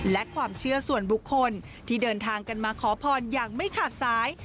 และความเชื่อส่วนบุคคลที่เดินทางกันมาขอพรอย่างไม่ขาดสาย